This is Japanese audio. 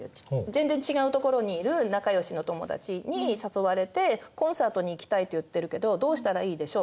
「全然違う所にいる仲よしの友達に誘われてコンサートに行きたいと言ってるけどどうしたらいいでしょう？」。